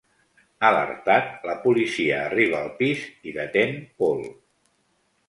Alertat, la policia arriba al pis i detén Paul.